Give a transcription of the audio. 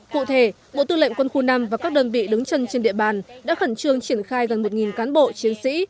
cụ thể bộ tư lệnh quân khu năm và các đơn vị đứng chân trên địa bàn đã khẩn trương triển khai gần một cán bộ chiến sĩ